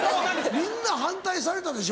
みんな反対されたでしょ？